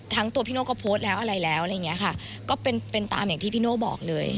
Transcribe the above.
ตัวพี่โน่ก็โพสต์แล้วอะไรแล้วอะไรอย่างเงี้ยค่ะก็เป็นเป็นตามอย่างที่พี่โน่บอกเลย